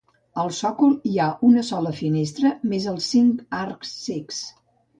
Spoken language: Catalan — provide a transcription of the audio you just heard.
Al sòcol hi ha una sola finestra més els cinc arcs cecs.